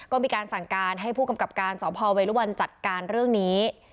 ก็มีการสั่งการให้ผู้กำกับการสพเวรุวันจัดการเรื่องนี้